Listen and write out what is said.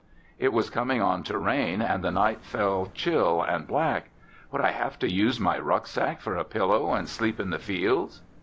It was coming on to rain and the night fell chill and black. Would I have to use my rucksack for a pillow and sleep in the fields?